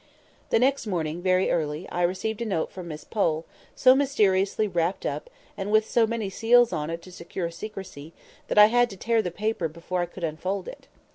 The next morning, very early, I received a note from Miss Pole, so mysteriously wrapped up, and with so many seals on it to secure secrecy, that I had to tear the paper before I could unfold it.